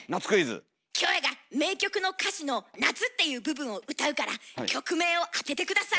キョエが名曲の歌詞の「夏」っていう部分を歌うから曲名を当てて下さい。